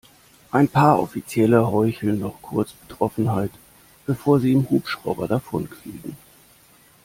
Ein paar Offizielle heucheln noch kurz Betroffenheit, bevor sie im Hubschrauber davonfliegen.